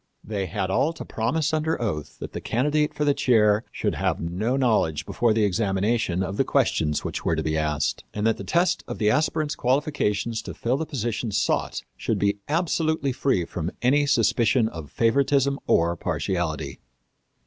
They had all to promise under oath that the candidate for the chair should have no knowledge before the examination of the questions which were to be asked, and that the test of the aspirant's qualifications to fill the position sought should be absolutely free from any suspicion of favoritism or partiality.